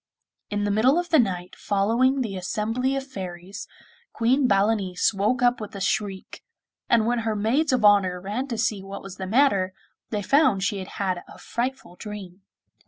In the middle of the night following the assembly of fairies, Queen Balanice woke up with a shriek, and when her maids of honour ran to see what was the matter, they found she had had a frightful dream.